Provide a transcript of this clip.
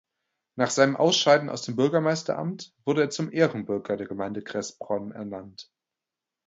Nach seinem Ausscheiden aus dem Bürgermeisteramt wurde er zum Ehrenbürger der Gemeinde Kressbronn ernannt.